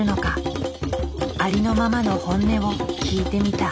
ありのままの本音を聞いてみた。